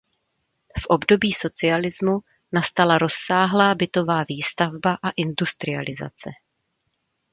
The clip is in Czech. V období socialismu nastala rozsáhlá bytová výstavba a industrializace.